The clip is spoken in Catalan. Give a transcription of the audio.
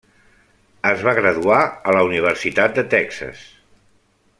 Es va graduar a la Universitat de Texas.